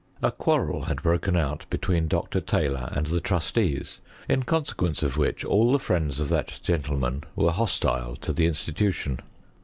A quarrel had broken out between Dr. Taylor and the trusteea, in consequence of which all the friends of that genlJeman were ho* tile to the institution.